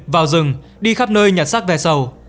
vào rừng đi khắp nơi nhặt xác vẹt sầu